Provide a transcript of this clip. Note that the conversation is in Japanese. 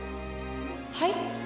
はい？